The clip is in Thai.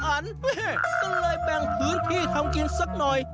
เฮ่ยซึ่งเลยแบ่งพื้นที่ทำกินสักหน่อย